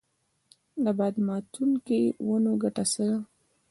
د باد ماتوونکو ونو ګټه څه ده؟